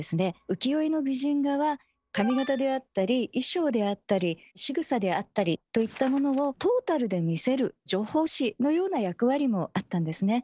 浮世絵の美人画は髪型であったり衣装であったりしぐさであったりといったものをトータルで見せる情報誌のような役割もあったんですね。